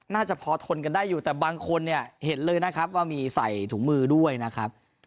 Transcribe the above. น่าจะพอทนกันได้อยู่แต่บางคนเนี่ยเห็นเลยนะครับว่ามีใส่ถุงมือด้วยนะครับ